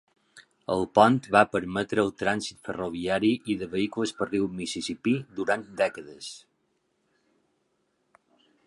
El pont va permetre el trànsit ferroviari i de vehicles pel riu Mississipí durant dècades.